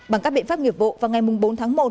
bằng các biện pháp nghiệp vụ vào ngày bốn tháng một